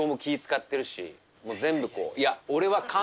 全部こう。